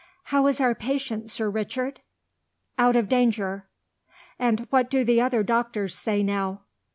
"How is our patient, Sir Richard?" "Out of danger." "And what do the other doctors say now?"